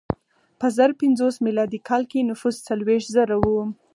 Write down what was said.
په زر پنځوس میلادي کال کې نفوس څلوېښت زره و.